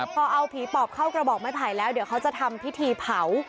พอเอาผีปอบเข้ากระบอกไม้ไผ่แล้วเดี๋ยวเขาจะทำพิธีเผา